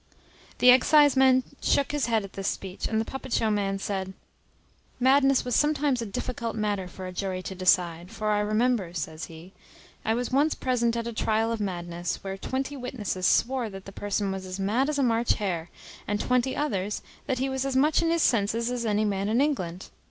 The exciseman shook his head at this speech, and the puppet show man said, "Madness was sometimes a difficult matter for a jury to decide: for I remember," says he, "I was once present at a tryal of madness, where twenty witnesses swore that the person was as mad as a March hare; and twenty others, that he was as much in his senses as any man in England.